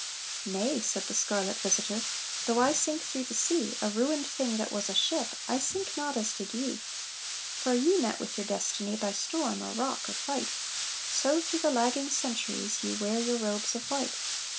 "Nay," said the scarlet visitor, "Though I sink through the sea, A ruined thing that was a ship, I sink not as did ye. For ye met with your destiny By storm or rock or fight, So through the lagging centuries Ye wear your robes of white.